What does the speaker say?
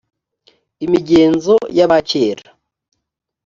imigenzo y’abakera